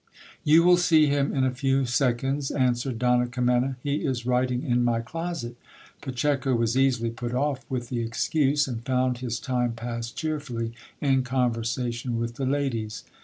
You will see him in a few seconds, an swered Donna Kimena, he is writing in my closet. Pacheco was easily put off with the excuse, and found his time pass cheerfully in conversation with the ladies.